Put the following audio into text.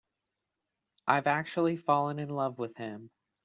I've actually fallen in love with him.